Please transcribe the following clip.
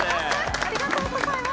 ありがとうございます！